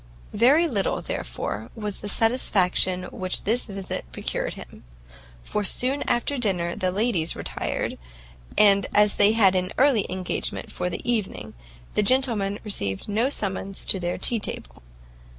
Very little, therefore, was the satisfaction which this visit procured him, for soon after dinner the ladies retired; and as they had an early engagement for the evening, the gentlemen received no summons to their tea table.